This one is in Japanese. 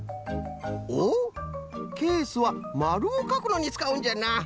おっケースはまるをかくのにつかうんじゃな。